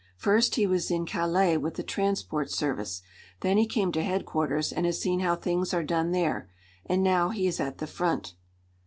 "First he was in Calais with the transport service. Then he came to headquarters, and has seen how things are done there. And now he is at the front."